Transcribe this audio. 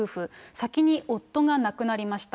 先に夫が亡くなりました。